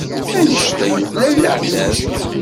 Anect-a yuklal leɛtab.